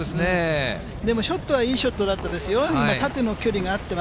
でもショットはいいショットだったですよ。